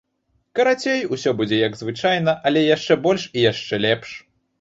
Карацей, усё будзе як звычайна, але яшчэ больш і яшчэ лепш.